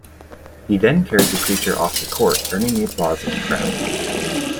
He then carried the creature off the court, earning the applause of the crowd.